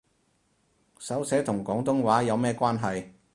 手寫同廣東話有咩關係